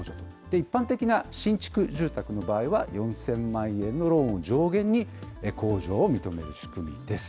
一般的な新築住宅の場合は、４０００万円のローンを上限に控除を認める仕組みです。